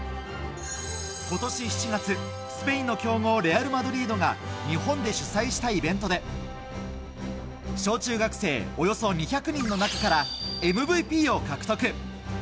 今年７月、スペインの強豪レアル・マドリードが日本で主催したイベントで小中学生およそ２００人の中からＭＶＰを獲得。